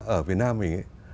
ở việt nam mình ấy